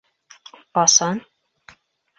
Ҡасан